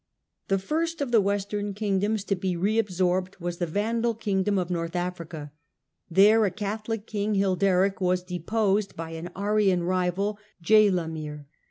The first of the Western kingdoms to be reabsorbed L North • rrn Africa was the Vandal kingdom of North Africa. There a Catholic king, Hilderic, was deposed by an Arian rival, Geilamir.